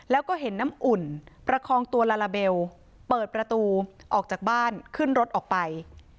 แล้วก็เห็นน้ำอุ่นประคองตัวลาลาเบลเปิดประตูออกจากบ้านขึ้นรถออกไป